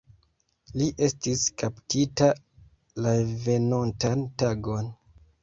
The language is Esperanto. Li estis kaptita la venontan tagon.